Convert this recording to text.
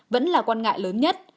vẫn là quan ngại lớn nhất